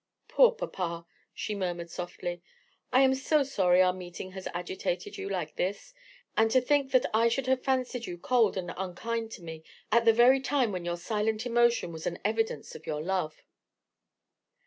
"Poor papa," she murmured, softly; "I am so sorry our meeting has agitated you like this: and to think that I should have fancied you cold and unkind to me, at the very time when your silent emotion was an evidence of your love!"